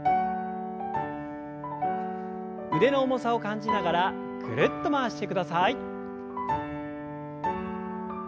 腕の重さを感じながらぐるっと回してください。